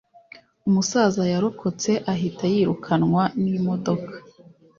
umusaza yarokotse ahita yirukanwa n'imodoka